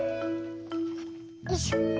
よいしょ。